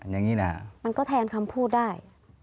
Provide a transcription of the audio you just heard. มันก็แทนคำพูดได้